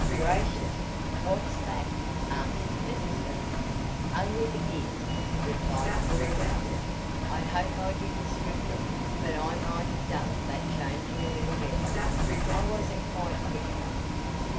"Gracious! What's that?" asked Elizabeth. "Only the gears," replied Cora calmly. "I hope I didn't strip them, but I might have done that changing a little better. I wasn't quite quick enough."